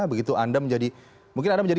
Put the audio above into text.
begitu anda menjadi mungkin anda menjadi